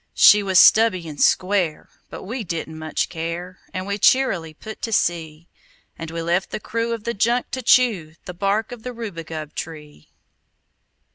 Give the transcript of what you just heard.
She was stubby and square, but we didn't much care, And we cheerily put to sea; And we left the crew of the junk to chew The bark of the rubagub tree.